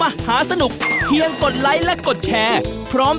สวัสดีครับ